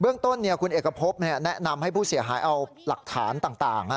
เรื่องต้นคุณเอกพบแนะนำให้ผู้เสียหายเอาหลักฐานต่าง